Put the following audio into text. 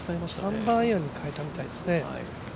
３番アイアンに変えたみたいですね。